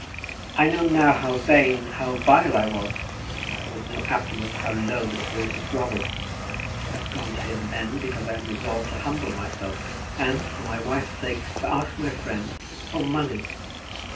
"I know now how vain, how vile I was. I always know afterwards how low the spirit has grovelled. I had gone to him then because I had resolved to humble myself, and, for my wife's sake, to ask my friend for money.